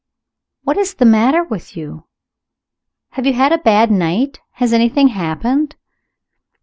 what is the matter with you? Have you had a bad night? Has anything happened?"